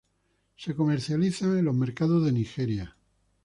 Se comercializan en los mercados de Nigeria.